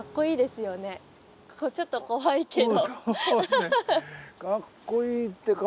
ちょっと怖いけど。